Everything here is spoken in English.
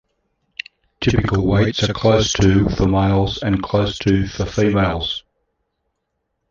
Typical weights are close to for males and close to for females.